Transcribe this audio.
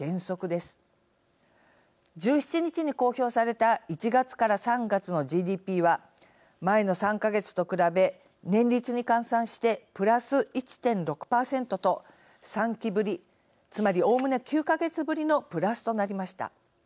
１７日に公表された１月から３月のＧＤＰは前の３か月と比べ年率に換算してプラス１．６％と３期ぶりつまりおおむね９か月ぶりのプラスとなりました。